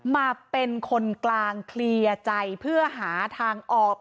มาเป็นคนกลางเคลียร์ใจเพื่อหาทางออก